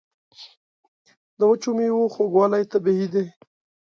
د وچو میوو خوږوالی طبیعي دی.